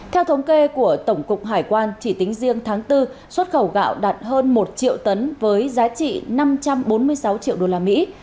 theo thống kê của tổng cục hải quan chỉ tính riêng tháng bốn xuất khẩu gạo đạt hơn một triệu tấn với giá trị năm trăm bốn mươi sáu triệu đô la mỹ